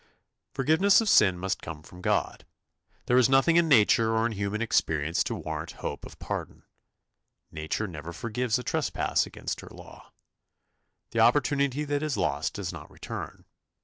" Forgiveness of sin must come from God. There is nothing in nature or in human experience to warrant hope of pardon. Nature never forgives a trespass against her law. The opportunity that is lost does not return.